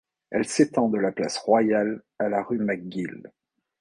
Elle s'étend de la place Royale à la rue McGill.